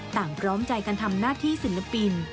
พร้อมใจกันทำหน้าที่ศิลปิน